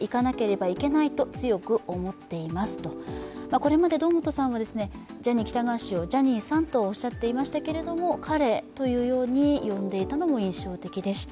これまで堂本さんはジャニー喜多川氏をジャニーさんとおっしゃっていましたけれども「彼」と呼んでいたのも印象的でした。